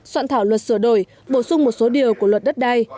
soạn thảo luật sửa đổi bổ sung một số điều của luật đất đai